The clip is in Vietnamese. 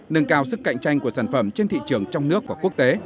nâng cao sức cạnh tranh của sản phẩm trên thị trường trong nước và quốc tế